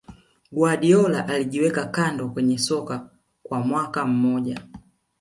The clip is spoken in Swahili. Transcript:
Guardiola alijiweka kando kwenye soka kwa mwaka mmoja